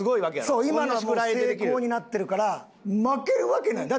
そう今のは精巧になってるから負けるわけない。